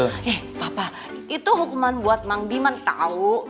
eh papa itu hukuman buat mandiman tau